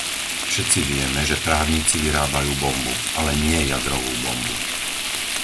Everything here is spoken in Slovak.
Všetci vieme, že právnici vyrábajú bombu, ale nie jadrovú bombu!